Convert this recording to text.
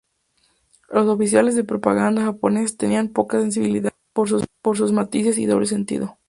Los oficiales de propaganda japoneses tenían poca sensibilidad por sus matices y doble sentido.